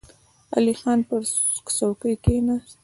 علی خان پر څوکۍ کېناست.